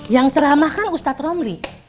yang ceramah kan ustadz romli